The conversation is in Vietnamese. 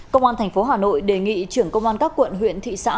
công an tp hà nội đề nghị trưởng công an các quận huyện thị xã